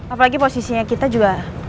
apalagi posisinya kita juga